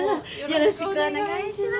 よろしくお願いします。